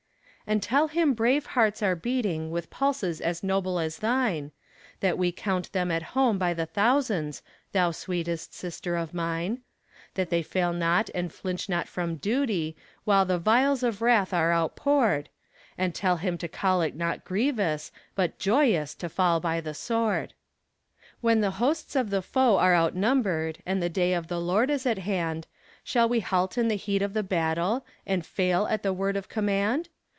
And tell him brave hearts are beating with pulses as noble as thine; That we count them at home by the thousands thou sweetest sister of mine; That they fail not and flinch not from duty while the vials of wrath are outpoured, And tell him to call it not grievous, but joyous to fall by the sword. When the hosts of the foe are outnumbered, and the day of the Lord is at hand, Shall we halt in the heat of the battle, and fail at the word of command?